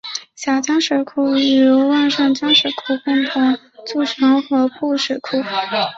小江水库与旺盛江水库共同组成合浦水库。